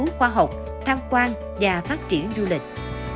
phục vụ khoa học tham quan và phát triển du lịch